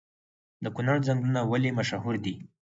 د کونړ ځنګلونه ولې مشهور دي؟